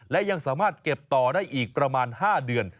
และยังสามารถเก็บต่อได้อีกประมาณ๕เดือน